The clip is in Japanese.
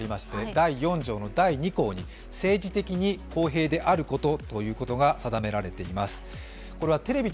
第４条の第２項に政治的公平であることと記されています。